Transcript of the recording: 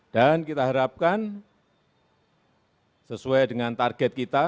dan kita harapkan sesuai dengan target kita